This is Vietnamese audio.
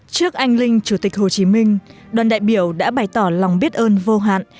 trước anh linh chủ tịch hồ chí minh đoàn đại biểu đã bày tỏ lòng biết ơn vô hạn